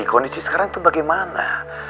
kondisi sekarang itu bagaimana